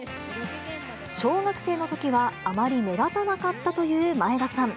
小学生のときはあまり目立たなかったという前田さん。